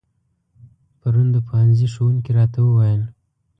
پرون د پوهنځي ښوونکي راته و ويل